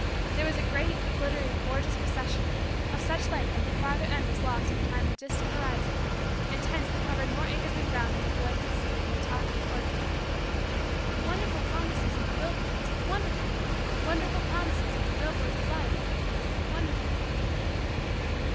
There was a great, glittering, gorgeous, procession, of such length that the farther end was lost beyond the distant horizon and tents that covered more acres of ground than the boy could see from the top of the orchard hill. Wonderful promises of the billboards! Wonderful! Wonderful promises of the billboards of Life! Wonderful!